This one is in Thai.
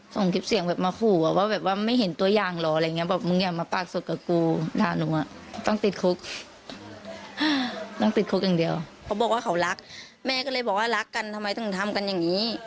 ส่งคลิปเสียงแบบมาขู่ว่าแบบว่าไม่เห็นตัวยางหรออะไรอย่างนี้